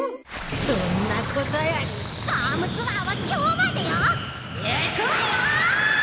そんなことよりファームツアーは今日までよ行くわよ！